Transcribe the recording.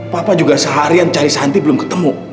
papa juga seharian cari santi belum ketemu